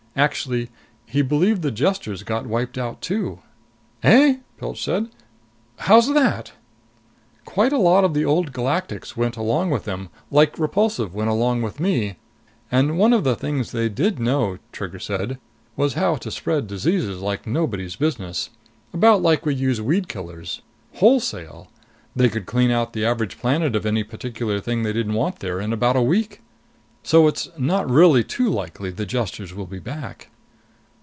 Actually he believed the Jesters got wiped out too." "Eh?" Pilch said. "How's that?" "Quite a lot of the Old Galactics went along with them like Repulsive went along with me. And one of the things they did know," Trigger said, "was how to spread diseases like nobody's business. About like we use weed killers. Wholesale. They could clean out the average planet of any particular thing they didn't want there in about a week. So it's not really too likely the Jesters will be back."